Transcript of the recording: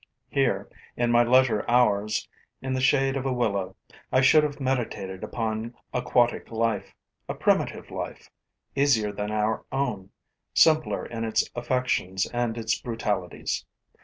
Here, in my leisure hours, in the shade of a willow, I should have meditated upon aquatic life, a primitive life, easier than our own, simpler in its affections and its brutalities.